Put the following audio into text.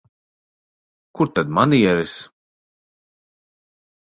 Kur tad manieres?